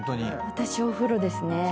私お風呂ですね。